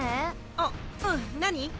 あっうん何？